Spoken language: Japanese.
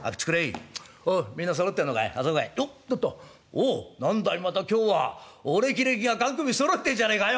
おう何だいまた今日はお歴々ががん首そろってんじゃねえかよ」。